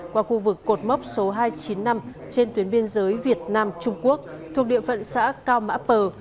qua khu vực cột mốc số hai trăm chín mươi năm trên tuyến biên giới việt nam trung quốc thuộc địa phận xã cao mã pờ